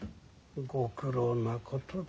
ご苦労なことだ。